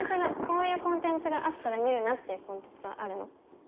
こういうコンテンツがあったら見るなっていうコンテンツはあるの？